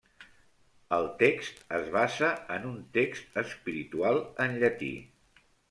El text es basa en un text espiritual en llatí.